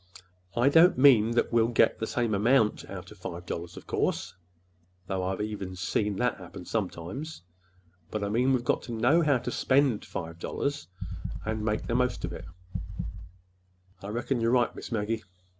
I don't mean that we'll get the same amount out of five dollars, of course,—though I've seen even that happen sometimes!—but I mean that we've got to know how to spend five dollars—and to make the most of it." "I reckon—you're right, Miss Maggie."